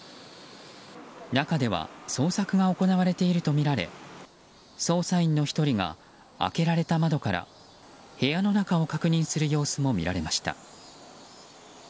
中では捜索が行われているとみられ捜査員の１人が開けられた窓から部屋の中を確認する様子も見られました。